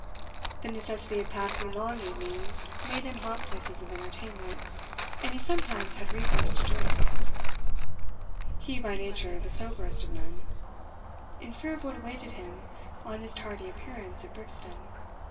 The necessity of passing long evenings made him haunt places of entertainment, and he sometimes had recourse to drink, he by nature the soberest of men, in fear of what awaited him on his tardy appearance at Brixton.